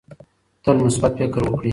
تل مثبت فکر وکړئ.